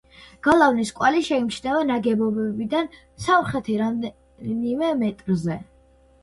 გალავნის კვალი შეიმჩნევა ნაგებობიდან სამხრეთით რამდენიმე მეტრზე.